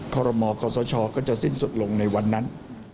ขอรมอคศก็จะสิ้นสุดลงในวันนั้น